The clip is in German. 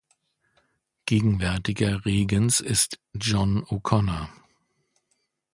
Gegenwärtiger Regens ist John O’Connor.